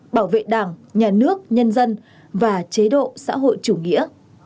bảo vệ đảng nhà nước nhân dân và chế độ xã hội chủ nghĩa